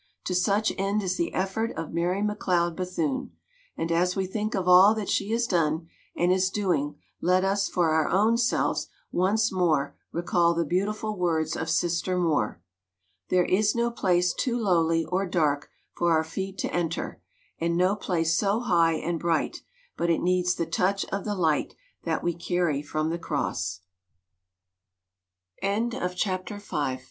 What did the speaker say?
To such end is the effort of Mary McLeod Bethune; and as we think of all that she has done and is doing let us for our own selves once more recall the beautiful words of Sister Moore: "There is no place too lowly or dark for our feet to enter, and no place so high and bright but it needs the touch of the light that we carry from th